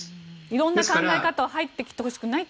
色んな考え方が入ってきてほしくないと。